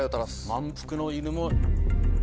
「満腹の犬も」。